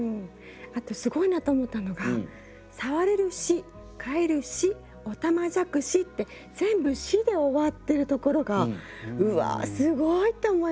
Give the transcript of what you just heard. あとすごいなと思ったのが「さわれるし」「かえるし」「おたまじゃくし」って全部「し」で終わってるところがうわすごい！って思いました。